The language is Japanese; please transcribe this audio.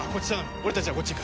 俺たちはこっち行く。